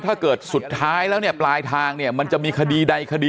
สุดท้ายแล้วเนี่ยปลายทางเนี่ยมันจะมีคดีใดคดี